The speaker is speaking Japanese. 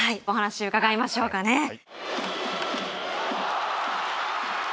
お話伺いましょうかね。